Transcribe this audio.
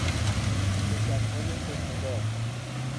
تشکهای تکمهدار